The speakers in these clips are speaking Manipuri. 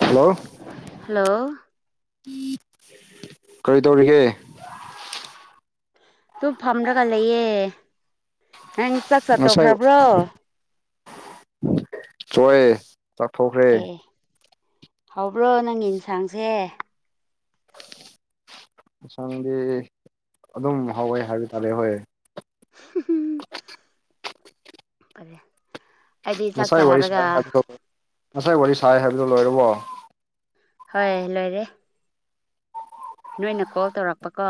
ꯍꯜꯂꯣ ꯍꯜꯂꯣ ꯀꯔꯤ ꯇꯧꯔꯤꯒꯦ ꯑꯗꯨꯨꯝ ꯐꯝꯂꯒ ꯂꯩꯌꯦ ꯅꯪ ꯆꯥꯛ ꯆꯠꯇꯣꯛꯈ꯭ꯔꯕ꯭ꯔꯣ ꯄꯣꯏ ꯑꯦ ꯑꯦ ꯍꯧꯕ꯭ꯔꯣ ꯅꯪ ꯏꯟꯁꯥꯡꯁꯦ ꯏꯟꯁꯥꯡꯗꯤ ꯑꯗꯨꯝ ꯍꯥꯎꯋꯦ ꯍꯥꯏꯕ ꯇꯥꯔꯦ ꯍꯣꯏ ꯍꯨꯝ ꯉꯁꯥꯏ ꯋꯥꯔꯤ ꯁꯥꯏ ꯍꯥꯏꯕꯗꯣ ꯉꯁꯥꯏ ꯋꯥꯔꯤ ꯁꯥꯏ ꯍꯥꯏꯕꯗꯣ ꯂꯣꯏꯔꯕꯣ ꯍꯣꯏ ꯂꯣꯏꯔꯦ ꯅꯣꯏꯅ ꯀꯣꯜ ꯇꯧꯔꯛꯄꯀꯣ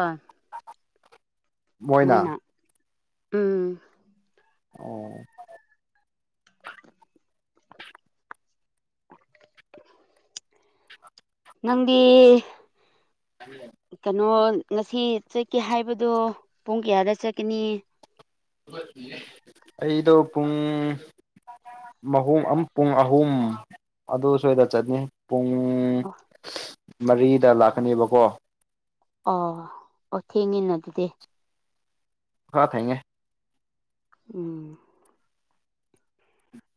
ꯃꯣꯏꯅ ꯎꯝ ꯑꯣ ꯅꯪꯗꯤ ꯑ ꯀꯩꯅꯣ ꯉꯁꯤ ꯆꯠꯀꯦ ꯍꯥꯏꯕꯗꯣ ꯄꯨꯡ ꯀꯌꯥꯗ ꯆꯠꯀꯅꯤ ꯑꯩꯗꯣ ꯄꯨꯡ ꯨꯝ ꯄꯨꯡ ꯑꯍꯨꯝ ꯑꯗꯨ ꯁꯣꯏꯗ ꯆꯠꯅꯤ ꯄꯨꯡ ꯑꯣ ꯃꯔꯤꯗ ꯂꯥꯛꯀꯅꯦꯕꯀꯣ ꯑꯣ ꯑꯣ ꯊꯦꯡꯉꯤꯅ ꯑꯗꯨꯗꯤ ꯈ ꯊꯦꯡꯉꯦ ꯎꯝ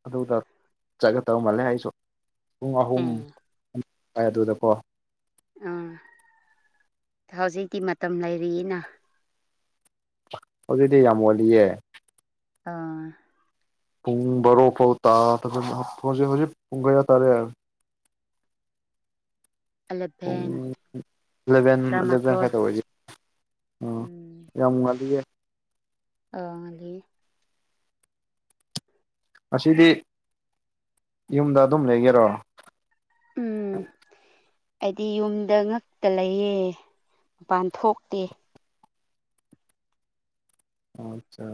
ꯑꯗꯨꯗ ꯆꯠꯒꯗꯧ ꯃꯥꯜꯂꯦ ꯑꯩꯁꯨ ꯄꯨꯡ ꯑꯍꯨꯝ ꯎꯝ ꯑꯗꯨꯗꯀꯣ ꯑꯥ ꯍꯧꯖꯤꯛꯇꯤ ꯃꯇꯝ ꯂꯩꯔꯤꯅ ꯑꯗꯨꯗꯤ ꯌꯥꯝ ꯋꯥꯜꯂꯤꯌꯦꯦ ꯑꯥ ꯄꯨꯡꯕꯔ ꯎꯐꯥꯎ ꯇ ꯃ ꯃ ꯄꯨꯡꯒꯌꯥ ꯇꯥꯔꯦ ꯍꯥꯏ ꯄꯨꯡ ꯑꯂꯚꯦꯟ ꯑꯦꯂꯚꯦꯟ ꯑꯦꯂꯚꯦꯟ ꯇꯔꯥꯃꯥꯊꯣꯏ ꯈꯛꯇ ꯑꯣꯏꯁꯦ ꯑ ꯌꯥꯃꯨꯉꯗꯤꯌꯦ ꯑꯉꯗꯤ ꯉꯗꯤ ꯌꯨꯝꯗ ꯑꯗꯨꯝ ꯂꯩꯒꯦꯔꯣ ꯎꯝ ꯑꯩꯗꯤ ꯌꯨꯝꯗ ꯉꯛꯇ ꯂꯩꯌꯦ ꯃꯄꯥꯟ ꯊꯣꯛꯇꯦ ꯑꯆꯥ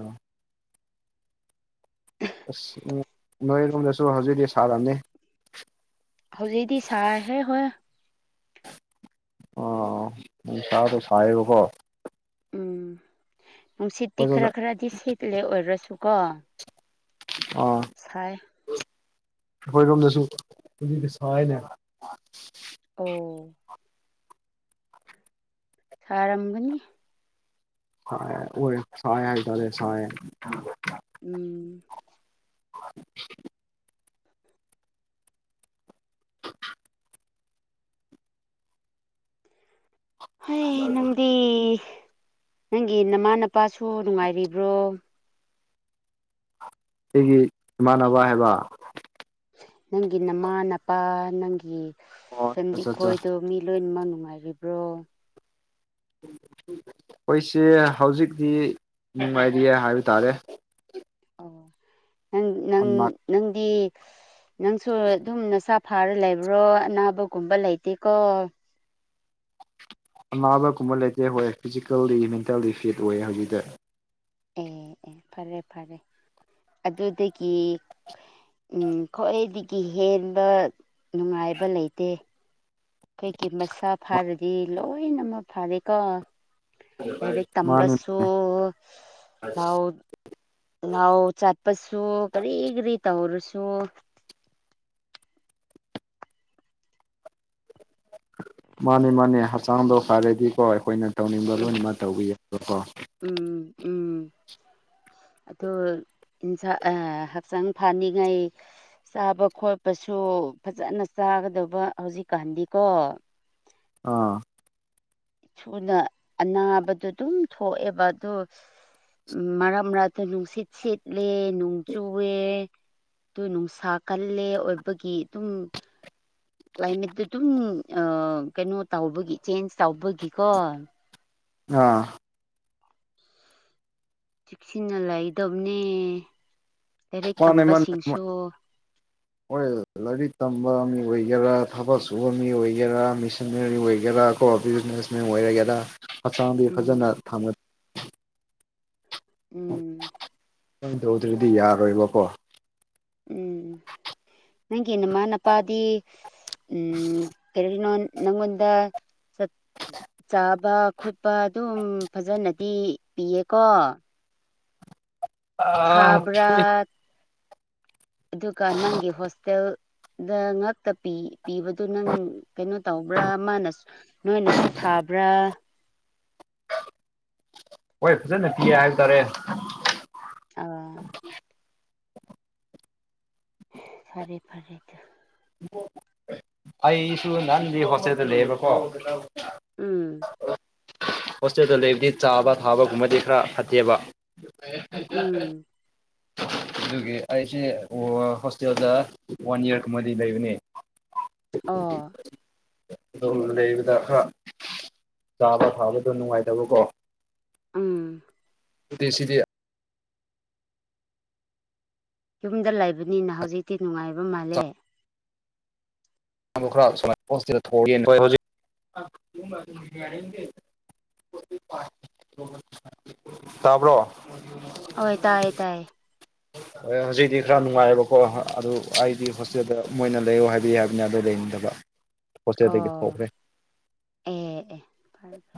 ꯑꯁ ꯅꯣꯏꯔꯣꯝꯗꯁꯨ ꯍꯧꯖꯤꯛꯤ ꯁꯥꯔꯝꯑꯅꯤ ꯍꯧꯖꯤꯛꯗꯤ ꯁꯥꯏꯍꯦ ꯍꯣꯏ ꯑꯥ ꯅꯨꯡꯁꯥꯗꯣ ꯁꯥꯏꯌꯦꯕꯀꯣ ꯎꯝ ꯅꯨꯡꯁꯤꯠꯇꯤ ꯑꯩꯈꯣꯏꯔꯣꯝꯗ ꯈꯔ ꯈꯔꯗꯤ ꯁꯦꯠꯂꯦ ꯑꯣꯏꯔꯁꯨꯀꯣ ꯑꯥ ꯁꯥꯏ ꯑꯩꯈꯣꯏꯔꯣꯝꯗꯁꯨ ꯁꯅꯦ ꯑ ꯑꯣ ꯁꯥꯔꯝꯒꯅꯤ ꯁ ꯑꯣꯏꯔ ꯁꯋꯥ ꯗꯂ ꯁꯋꯥ ꯎꯝ [unintelligible] [unintelligible] ꯍꯣꯏ ꯅꯪꯗꯤ ꯅꯪꯒꯤ ꯅꯃꯥ ꯅꯄꯥꯁꯨ ꯅꯨꯡꯉꯥꯏꯔꯤꯕ꯭ꯔꯣ ꯑꯩꯒꯤ ꯏꯃꯥꯟꯅꯕ ꯍꯥꯏꯕ ꯅꯪꯒꯤ ꯅꯃꯥ ꯅꯄꯥ ꯅꯪꯒꯤ ꯑꯣ ꯐꯦꯃꯤꯂꯤ ꯑꯠꯆꯥ ꯑꯩ ꯑꯠꯆꯥ ꯈꯣꯏꯗꯣ ꯃꯤ ꯂꯣꯏꯃꯛ ꯅꯨꯡꯉꯥꯏꯔꯤꯕ꯭ꯔꯣ ꯑꯩꯈꯣꯏꯁꯦ ꯍꯧꯖꯤꯛꯇꯤ ꯅꯨꯡꯉꯥꯏꯔꯤ ꯍꯥꯏꯕ ꯇꯥꯔꯦ ꯑꯣ ꯅꯪ ꯅꯪ ꯑꯅꯥ ꯅꯪꯗꯤ ꯅꯪꯁꯨ ꯑꯗꯨꯝ ꯅꯁꯥ ꯐꯥꯔ ꯂꯩꯕ꯭ꯔꯣ ꯑꯅꯥꯕꯒꯨꯝꯕ ꯂꯩꯇꯦꯀꯣ ꯑꯅꯥꯕ ꯀꯨꯝꯕ ꯂꯩꯇꯦ ꯍꯣꯏ ꯐꯤꯖꯤꯀꯦꯜꯂꯤ ꯃꯦꯟꯇꯦꯜꯂꯤ ꯐꯤꯠ ꯑꯣꯏꯌꯦ ꯍꯧꯖꯤꯛꯇ ꯑꯦ ꯑꯦ ꯐꯔꯦ ꯐꯔꯦ ꯑꯗꯨꯗꯒꯤ ꯎ ꯈ꯭ꯋꯥꯏꯗꯒꯤ ꯍꯦꯟꯕ ꯅꯨꯡꯉꯥꯏꯕ ꯂꯩꯇꯦ ꯀꯩꯀꯠ ꯃꯁꯥ ꯐꯥꯔꯒꯦ ꯗꯤ ꯂꯣꯏꯅꯃꯛ ꯐꯥꯔꯦꯀ ꯂꯥꯏꯔꯤꯛ ꯃꯥꯅꯤ ꯇꯝꯕꯁꯨ ꯂ ꯂꯥꯎ ꯆꯥꯠꯄꯁꯨ ꯀꯔꯤ ꯀꯔꯤ ꯇꯧꯔꯁꯨ ꯃꯥꯅꯤ ꯃꯥꯅꯦ ꯍꯛꯆꯥꯡꯗꯣ ꯐꯔꯗꯤꯀꯣ ꯑꯩꯈꯣꯏꯅ ꯇꯧꯅꯤꯡꯕ ꯎꯝ ꯂꯣꯏꯅꯃꯛ ꯇꯧꯕꯤ ꯌꯥꯕꯀꯣ ꯎꯝ ꯎꯝ ꯑꯗꯨꯟꯁ ꯍꯛꯆꯥꯡ ꯐꯅꯤꯡꯉꯥꯏ ꯆꯥꯕ ꯈꯣꯠꯄꯁꯨ ꯐꯖꯅ ꯆꯥꯒꯗꯕ ꯍꯧꯖꯤꯛꯀꯥꯟꯗꯤꯀꯣ ꯑꯥ ꯁꯨꯅ ꯑꯅꯥꯕꯗꯣ ꯑꯗꯨꯝ ꯊꯣꯛꯑꯦꯕ ꯑꯗꯨꯣ ꯎ ꯃꯔꯛ ꯃꯔꯛꯇ ꯅꯨꯡꯁꯤꯠ ꯁꯤꯠꯂꯦ ꯅꯣꯡ ꯆꯨꯑꯦ ꯑꯗꯨ ꯅꯨꯡꯁꯥ ꯀꯜꯂꯦ ꯑꯣꯏꯕꯒꯤ ꯑꯗꯨꯝ ꯀ꯭ꯂꯥꯏꯃꯦꯠꯇꯨ ꯑꯗꯨꯝ ꯀꯩꯅꯣ ꯇꯧꯕꯒꯤ ꯆꯦꯟꯖ ꯇꯧꯕꯒꯤꯀꯣ ꯑꯥ ꯆꯤꯛꯁꯤꯟꯅ ꯂꯩ ꯗꯞꯅꯦ ꯃꯥꯅꯦ ꯃꯥꯅꯦ ꯃꯥ ꯑꯣꯏ ꯂꯥꯏꯔꯤꯛ ꯇꯝꯕ ꯃꯤ ꯑꯣꯏꯒꯦꯔꯥ ꯊꯕꯛ ꯁꯨꯕ ꯃꯤ ꯑꯣꯏꯒꯦꯔꯥ ꯃꯦꯁꯤꯟꯅꯔꯤ ꯑꯣꯏꯒꯦꯔꯥ ꯀꯣ ꯕꯤꯖꯤꯅꯦꯁ ꯃ ꯑꯣꯏꯔꯒꯦꯔ ꯍꯆꯥꯡꯗꯤ ꯐꯖꯅ ꯎꯝ ꯊꯝꯅ ꯎꯝ ꯀ ꯇꯧꯗ꯭ꯔꯗꯤ ꯌꯥꯔꯣꯏꯕꯀꯣ ꯎꯝ ꯅꯪꯒꯤ ꯅꯃꯥ ꯅꯄꯥꯗꯤ ꯀꯔꯤꯒꯤꯅꯣ ꯅꯃꯗ ꯁꯠ ꯆꯥꯕ ꯈꯣꯠꯄ ꯑꯗꯨꯝ ꯐꯖꯅꯗꯤ ꯄꯤꯌꯦꯀꯣ ꯊꯥꯕ꯭ꯔꯥ ꯑꯣꯏ ꯑꯗꯨꯒ ꯅꯪꯒꯤ ꯍꯣꯁꯇꯦꯜ ꯗ ꯉꯇ ꯄꯤꯕꯗꯨ ꯅꯪ ꯀꯩꯅꯣ ꯇꯧꯕ꯭ꯔꯥ ꯃꯥꯅ ꯅꯣꯏꯅꯁꯨ ꯊꯥꯕ꯭ꯔꯥ ꯍꯣꯏ ꯐꯖꯅ ꯄꯤꯌꯦ ꯍꯥꯏꯕ ꯇꯥꯔꯦ ꯑꯥ ꯐꯔꯦ ꯐꯔꯦꯗ ꯑꯣ ꯑꯩꯁꯨ ꯅꯍꯥꯟꯒꯤ ꯍꯣꯁꯇꯦꯜꯗ ꯂꯩꯕꯀꯣ ꯎꯝ ꯍꯣꯁꯇꯦꯜꯗ ꯂꯩꯕꯗꯤ ꯆꯥꯕ ꯊꯥꯕꯒꯨꯝꯕꯗꯤ ꯈꯔ ꯐꯠꯇꯦꯕ ꯎꯝ ꯑꯗꯨꯒꯤ ꯑꯩꯁꯦ ꯍꯣꯁꯇꯦꯜꯗ ꯋꯥꯟ ꯏꯌꯥꯔꯒꯨꯝꯕꯗꯤ ꯂꯩꯕꯅꯦ ꯑꯣ ꯑꯗꯨꯝ ꯂꯩꯕꯗ ꯈꯔ ꯆꯥꯕ ꯊꯥꯕꯗꯣ ꯅꯨꯡꯉꯥꯏꯇꯕꯀꯣ ꯎꯝ ꯗꯁꯤꯗꯤ ꯌꯨꯝꯗ ꯂꯩꯕꯅꯤꯅ ꯍꯧꯖꯤꯛꯇꯤ ꯅꯨꯡꯉꯥꯏꯕ ꯃꯥꯜꯂꯦ ꯗ ꯈꯔ ꯁꯨꯃꯥꯏꯅ ꯍꯣꯁꯇꯗ ꯊꯣꯛꯒꯖꯤ ꯇꯥꯕ꯭ꯔꯣ ꯍꯣꯏ ꯇꯥꯏꯌꯦ ꯇꯥꯏꯌꯦ ꯍꯧꯖꯤꯛ ꯈꯔꯥ ꯅꯅꯨꯡꯉꯕ ꯍꯣꯏ ꯍꯣꯏ ꯑꯗꯨ ꯑꯩꯗꯤ ꯍꯣꯁꯇꯦꯜꯗ ꯃꯣꯏꯅ ꯂꯩꯌꯨ ꯍꯥꯏꯕꯤꯌꯨ ꯍꯥꯏꯕꯅꯤ ꯑꯗꯨ ꯂꯩꯅꯤꯗꯕ ꯑꯣ ꯑꯦ ꯑꯦ ꯐꯔ ꯐ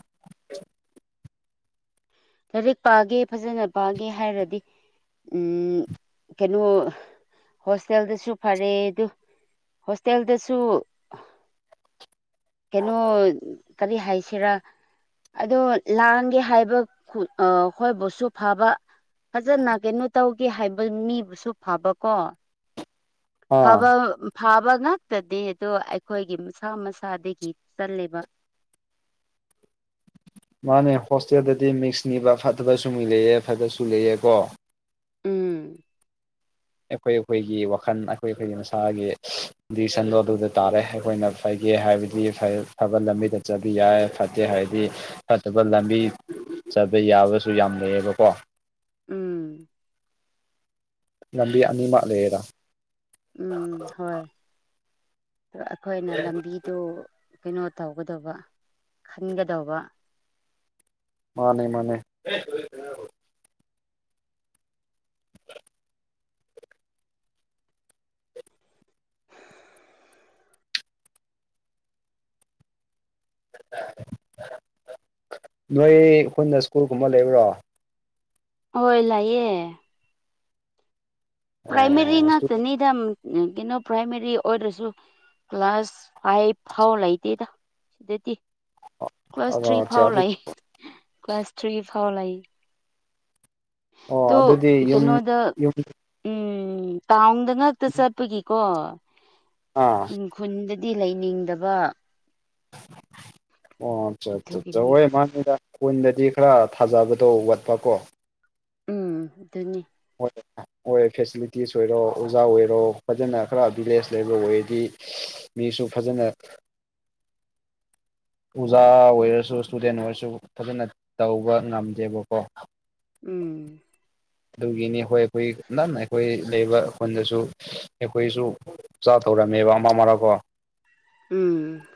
ꯂꯥꯏꯔꯤꯛ ꯄꯥꯒꯦ ꯐꯖꯅ ꯄꯥꯒꯦ ꯍꯥꯏꯔꯗꯤ ꯎꯝ ꯀꯩꯅꯣ ꯍꯣꯁꯇꯦꯜꯗꯁꯨ ꯐꯔꯦ ꯑꯗꯨ ꯍꯣꯁꯇꯦꯜꯗꯁꯨ ꯀꯩꯅꯣ ꯀꯔꯤ ꯍꯥꯏꯁꯤꯔꯥ ꯑꯗꯣ ꯂꯥꯡꯒꯦ ꯍꯥꯏꯕ ꯑꯩꯈꯣꯏꯕꯨꯁꯨ ꯐꯕ ꯐꯖꯅ ꯀꯩꯅꯣ ꯇꯧ ꯦ ꯍꯥꯏꯕ ꯃꯤꯕꯨꯁꯨ ꯐꯕꯀꯣ ꯑꯥ ꯐꯕ ꯐꯕ ꯉꯇꯗꯤ ꯑꯗꯣ ꯑꯩꯈꯣꯏꯒꯤ ꯃꯁꯥ ꯃꯁꯥꯗꯒꯤ ꯆꯜꯂꯤꯂꯕ ꯃꯥꯅꯦ ꯍꯣꯁꯇꯦꯜꯗꯗꯤ ꯃꯤꯛꯁ ꯅꯤꯕ ꯐꯠꯇꯕꯁꯨ ꯃꯤ ꯂꯩꯑꯦ ꯐꯠꯇꯕꯁꯨ ꯂꯩꯑ ꯀꯣ ꯎꯝ ꯑꯩꯈꯣꯏ ꯑꯩꯈꯣꯏꯒꯤ ꯋꯥꯈꯜ ꯑꯩꯈꯣꯏ ꯑꯩꯈꯣꯏꯒꯤ ꯃꯁꯥꯒꯤ ꯁꯟ ꯂꯣ ꯑꯗꯨꯗ ꯇꯥꯔꯦ ꯑꯩꯈꯣꯏꯅ ꯐꯒꯦ ꯍꯥꯏꯕꯗꯤ ꯐꯕ ꯂꯝꯕꯤꯗ ꯆꯠꯕꯤ ꯌꯥꯏ ꯐꯠꯇꯦ ꯍꯥꯏꯗꯤ ꯐꯠꯇꯕ ꯂꯝꯕꯤ ꯆꯠꯕ ꯌꯥꯕꯁꯨ ꯌꯥꯝ ꯂꯩꯌꯦꯕꯀꯣ ꯎꯝ ꯂꯝꯕꯤ ꯑꯅꯤꯃꯛ ꯂꯩꯌꯦꯔ ꯎꯝ ꯍꯣꯏ ꯑꯩꯈꯣꯏꯅ ꯂꯝꯕꯤ ꯑꯗꯨ ꯀꯩꯅꯣ ꯇꯧꯒꯗꯕ ꯈꯟꯒꯗꯧꯕ ꯃꯥꯅꯦ ꯃꯥꯅꯦ ꯑꯦꯣꯏ ꯅꯣꯏ ꯑꯩꯈꯣꯏꯅ ꯁ꯭ꯀꯨꯜꯒꯨꯝꯕ ꯂꯩꯕ꯭ꯔꯣ ꯍꯣꯏ ꯂꯥꯛꯑꯦ ꯄ꯭ꯔꯥꯏꯃꯔꯤꯥꯛꯇꯅꯤꯗ ꯀꯩꯅꯣ ꯄ꯭ꯔꯥꯏꯃꯥꯔꯤ ꯑꯣꯏꯔꯁꯨ ꯀ꯭ꯂꯥꯁ ꯐꯥꯏꯚ ꯐꯥꯎ ꯂꯩꯇꯦꯗ ꯁꯤꯗꯗꯤ ꯀ꯭ꯂꯥꯁ ꯊ꯭ꯔꯤ ꯑꯣ ꯐꯥꯎ ꯑꯗꯨ ꯂꯥꯛ ꯀ꯭ꯂꯥꯁ ꯊ꯭ꯔꯤ ꯐꯥꯎ ꯂꯩꯥꯛ ꯑꯣ ꯇꯣ ꯑꯗꯨꯗꯤ ꯌꯨꯝ ꯀꯩꯅꯣꯗ ꯌꯨꯝ ꯎꯝ ꯇꯥꯎꯗ ꯉꯛꯇ ꯆꯠꯄꯒꯤꯀꯣ ꯑ ꯈꯨꯟ ꯈꯨꯟꯗꯗꯤ ꯂꯩꯅꯤꯡꯗꯕ ꯑꯣ ꯑꯆꯥ ꯑ ꯑꯗꯨꯒꯤꯅꯤ ꯋꯥ ꯃꯥꯅꯤꯗ ꯀꯣꯟꯗꯗꯤ ꯈꯔ ꯊꯥꯖꯕꯗꯣ ꯋꯥꯠꯄꯀꯣ ꯎꯝ ꯑꯗꯨꯅꯤ ꯍꯣꯏ ꯑꯣꯏ ꯐꯦꯁꯤꯂꯤꯇꯤꯁ ꯑꯣꯏꯔꯣ ꯑꯣꯖꯥ ꯑꯣꯏꯔꯣ ꯐꯖꯅ ꯈꯔ ꯚꯤꯂꯦꯖ ꯂꯩꯕ ꯑꯣꯏꯔꯗꯤ ꯃꯤꯁꯨ ꯐꯖꯅ ꯑꯣꯖꯥ ꯑꯣꯏꯔꯁꯨ ꯏꯁꯇꯨꯗꯦꯟ ꯑꯣꯏꯔꯁꯨ ꯐꯖꯅ ꯇꯧꯕ ꯉꯝꯗꯦꯕꯀꯣ ꯎꯝ ꯑꯗꯨꯒꯤꯅꯤ ꯍꯣꯏ ꯑꯩꯈꯣꯏ ꯅꯅ ꯑꯩꯈꯣꯏ ꯂꯩꯕ ꯈꯨꯟꯗꯁꯨ ꯑꯩꯈꯣꯏꯁꯨ ꯆꯥ ꯇꯧꯔꯝꯃꯦꯕ ꯑꯃ ꯃꯔꯥꯀꯣ ꯎꯝ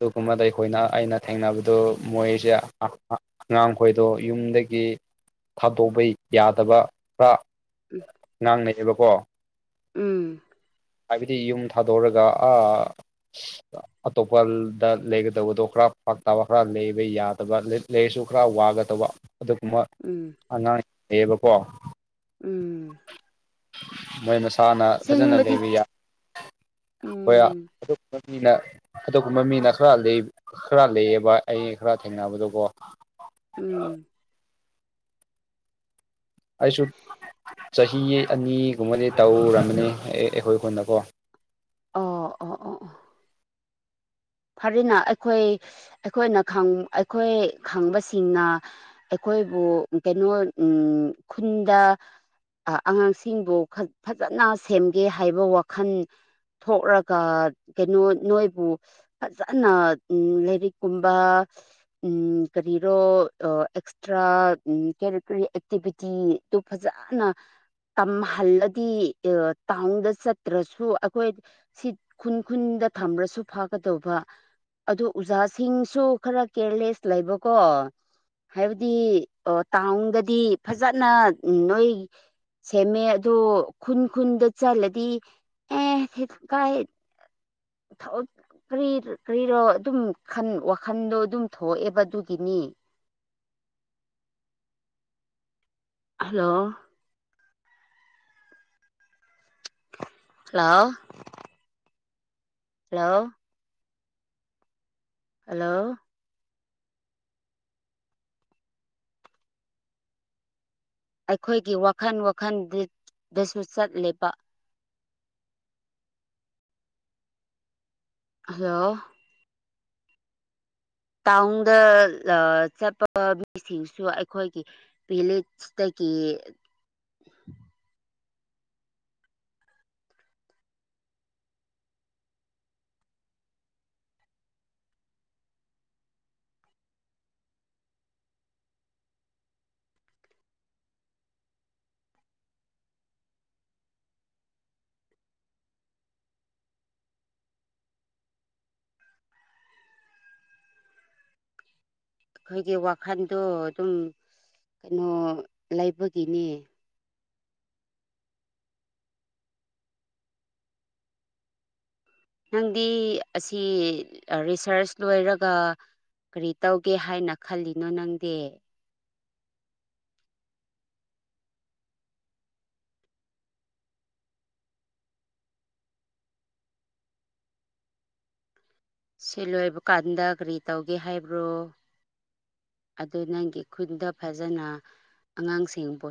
ꯑꯗꯨꯒꯨꯝꯕꯗ ꯑꯩꯈꯣꯏꯅ ꯑꯩꯅ ꯊꯦꯡꯅꯕꯗꯨ ꯃꯣꯏꯁꯦ ꯑꯉꯥꯡꯈꯣꯏꯗꯣ ꯌꯨꯝꯗꯒꯤ ꯊꯥꯗꯣꯛꯄ ꯌꯥꯗꯕ ꯈꯔ ꯎꯝ ꯉꯥꯡꯅꯩꯌꯦꯕꯀꯣ ꯎꯝ ꯍꯥꯏꯕꯗꯤ ꯌꯨꯝ ꯊꯥꯗꯣꯛꯣꯔꯒ ꯑ ꯑꯇꯣꯞꯄꯗ ꯂꯩꯒꯗꯕꯗꯣ ꯈꯔ ꯄꯥꯛ ꯇꯥꯕ ꯈꯔ ꯂꯩꯕ ꯌꯥꯗꯕ ꯂꯩꯔꯁꯨ ꯈꯔ ꯋꯥꯒꯗꯧꯕ ꯑꯗꯨ ꯃꯥ ꯎꯝ ꯑꯉꯥꯡꯑꯌꯦꯕꯀꯣ ꯎꯝ ꯃꯣꯏ ꯃꯁꯥꯅ ꯐꯖꯅ ꯁꯦꯡꯕꯗꯤ ꯂꯩꯕꯤ ꯌꯥ [unintelligible] ꯍꯣꯏ ꯎꯝ ꯃꯤꯅ ꯑꯗꯨꯒꯨꯝꯕ ꯃꯤꯅ ꯈꯔ ꯈꯔ ꯂꯩꯌꯦꯕ ꯑꯩ ꯈꯔ ꯊꯦꯡꯅꯕꯗꯣꯀꯣ ꯎꯝ ꯑꯩꯁꯨ ꯆꯍꯤ ꯑꯅꯤꯒꯨꯝꯕꯗꯤ ꯇꯧꯔꯅꯤ ꯑꯩꯈꯣꯏꯈꯣꯏꯅꯀꯣ ꯑꯣ ꯑꯣ ꯑꯣ ꯑꯣ ꯐꯔꯤꯅ ꯑꯩꯈꯣꯏ ꯑꯩꯈꯣꯏꯅ ꯑꯩꯈꯣꯏ ꯈꯪꯕꯁꯤꯡꯅ ꯑꯩꯈꯣꯏꯕꯨ ꯀꯩꯅꯣ ꯎꯝ ꯈꯨꯟꯗ ꯑꯉꯥꯡꯁꯤꯡꯕꯨ ꯐꯖꯅ ꯁꯦꯝꯒꯦ ꯍꯥꯏꯕ ꯋꯥꯈꯜ ꯊꯣꯛꯂꯒ ꯀꯩꯅꯣ ꯅꯣꯏꯕꯨ ꯐꯖꯅ ꯎ ꯂꯥꯏꯔꯤꯛ ꯀꯨꯝꯕ ꯎꯝ ꯀꯔꯤꯔꯣ ꯭ꯔ ꯀꯦꯔꯤꯀꯨꯂꯔ ꯑꯦꯛꯇꯤꯚꯤꯇꯤꯗꯨꯣ ꯐꯖꯅ ꯇꯝꯍꯜꯂꯗꯤ ꯇꯥꯎꯟꯗ ꯆꯠꯇ꯭ꯔꯁꯨ ꯑꯩꯈꯣꯏ ꯁꯤ ꯈꯨꯟ ꯈꯨꯟꯗ ꯊꯝꯕ꯭ꯔꯁꯨ ꯐꯥꯒꯗ ꯇꯧꯕ ꯑꯗꯨ ꯑꯣꯖꯥꯁꯤꯡꯁꯨ ꯈꯔ ꯀꯦꯌꯔꯂꯦꯁ ꯂꯩꯕꯀꯣ ꯍꯥꯏꯕꯗꯤ ꯑꯣ ꯇꯥꯎꯟꯗꯗꯤ ꯐꯖꯅ ꯅꯣꯏ ꯁꯦꯝꯃꯦ ꯑꯗꯣ ꯈꯨꯟ ꯈꯨꯟꯗ ꯆꯜꯂꯗꯤ ꯑꯦ ꯀꯥꯏ ꯀꯔꯤꯔꯣ ꯑꯗꯨꯝ ꯋꯥꯈꯟꯗꯣ ꯑꯗꯨꯝ ꯊꯣꯛꯑꯦꯕ ꯑꯗꯨꯒꯤꯅꯤ ꯍꯜꯂꯣ ꯍꯜꯂꯣ ꯍꯜꯂꯣ ꯍꯜꯂꯣ ꯑꯩꯈꯣꯏꯒꯤ ꯋꯥꯈꯜ ꯋꯥꯈꯜ ꯗꯁꯨ ꯆꯠꯂꯦꯕ ꯍꯜꯂꯣ ꯇꯥꯎꯟꯗ ꯆꯠꯄ ꯃꯤꯁꯤꯡꯁꯨ ꯑꯩꯈꯣꯏꯒꯤ ꯄꯦꯂ ꯆꯇꯀꯤ ꯑꯩꯈꯣꯏꯒꯤ ꯋꯥꯈꯟꯗꯣ ꯑꯗꯨꯝ ꯀꯩꯅꯣ ꯂꯩꯕꯒꯤꯅꯦ ꯅꯪꯗꯤ ꯑꯁꯤ ꯔꯤꯁꯔꯁ ꯂꯣꯏꯔꯒ ꯀꯔꯤ ꯇꯧꯒꯦ ꯍꯥꯏꯅ ꯈꯜꯂꯤꯅꯣ ꯅꯪꯗꯤ ꯁꯤ ꯂꯣꯏꯕ ꯀꯥꯟꯗ ꯀꯔꯤ ꯇꯧꯒꯦ ꯍꯥꯏꯕ꯭ꯔꯣ ꯑꯗꯨ ꯅꯪꯒꯤ ꯈꯨꯟꯗ ꯐꯖꯅ ꯑꯉꯥꯡꯁꯤꯡ ꯄ